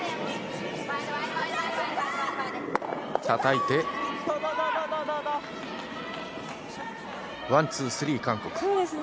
たたいてワン、ツー、スリー韓国。